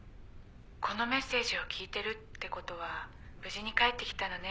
このメッセージを聞いてるってことは無事に帰ってきたのね。